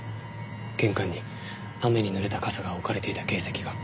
玄関に雨にぬれた傘が置かれていた形跡が。